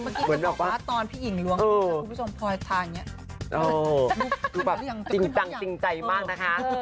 พี่กิ๊กก็บอกว่าตอนพี่หญิงลวงพี่ชมพลอยทาอย่างนี้ดูแบบจริงจังจริงใจมากนะคะ